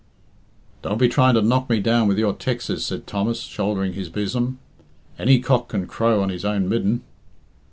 "Don't be trying to knock me down with your tex'es," said Thomas, shouldering his besom. "Any cock can crow on his own midden."